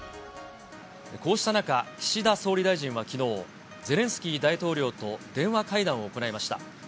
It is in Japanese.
こうした中、岸田総理大臣はきのう、ゼレンスキー大統領と電話会談を行いました。